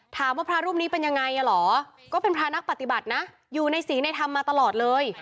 พระรูปนี้เป็นยังไงเหรอก็เป็นพระนักปฏิบัตินะอยู่ในศรีในธรรมมาตลอดเลย